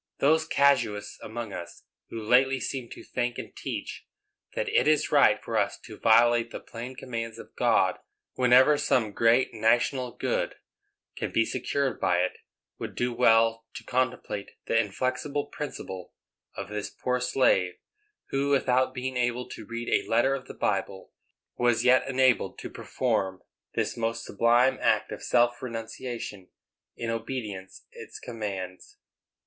Those casuists among us who lately seem to think and teach that it is right for us to violate the plain commands of God whenever some great national good can be secured by it, would do well to contemplate the inflexible principle of this poor slave, who, without being able to read a letter of the Bible, was yet enabled to perform this most sublime act of self renunciation in obedience its commands.